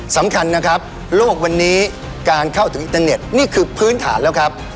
สำคัญนะครับโลกวันนี้การเข้าถึงอินเทอร์เน็ตนี่คือพื้นฐานแล้วครับ